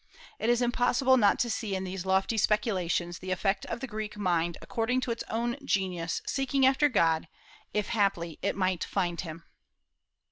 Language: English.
"It is impossible not to see in these lofty speculations the effect of the Greek mind, according to its own genius, seeking after God, if haply it might find Him."